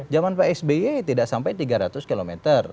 zaman psby tidak sampai tiga ratus km